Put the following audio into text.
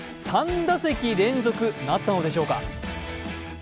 ３打席連続、なったのでしょうか。